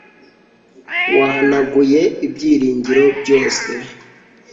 wahanaguye ibyiringiro byose